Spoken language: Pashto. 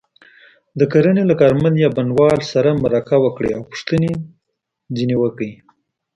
د کرنې له کارمند یا بڼوال سره مرکه وکړئ او پوښتنې ترې وکړئ.